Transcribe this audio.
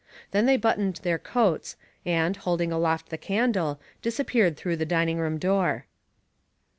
Then they buttoned their coats and, holding aloft the candle, disappeared through the dining room door.